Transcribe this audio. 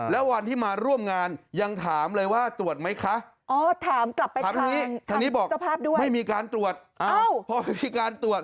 แล้ววันที่มาร่วมงานยังถามเลยว่าตรวจไหมคะ